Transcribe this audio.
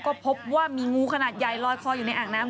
ก็พบว่ามีงูขนาดใหญ่ลอยคออยู่ในอ่างน้ำ